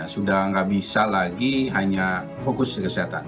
sudah tidak bisa lagi hanya fokus ke kesehatan